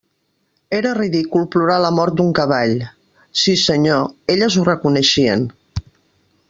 Era ridícul plorar la mort d'un cavall; sí senyor, elles ho reconeixien.